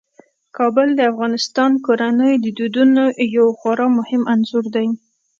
کابل د افغان کورنیو د دودونو یو خورا مهم عنصر دی.